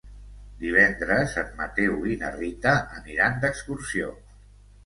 Divendres en Mateu i na Rita aniran d'excursió.